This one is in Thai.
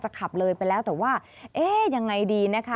ขับเลยไปแล้วแต่ว่าเอ๊ะยังไงดีนะคะ